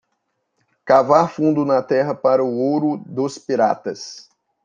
Cavar fundo na terra para o ouro dos piratas.